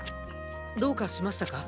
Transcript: どうかしましたか？